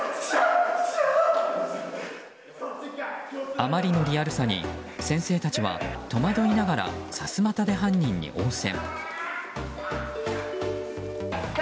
あまりのリアルさに先生たちは戸惑いながらさすまたで犯人に応戦。